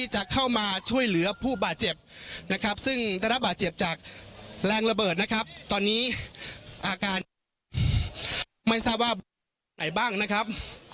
จากแรงระเบิดนะครับตอนนี้อาการไม่ทราบว่าไหนบ้างนะครับ